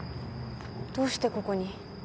どうしてここに？